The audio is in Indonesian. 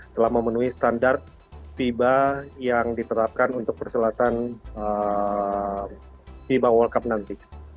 telah memenuhi standar fiba yang diterapkan untuk perselatan fiba world cup nanti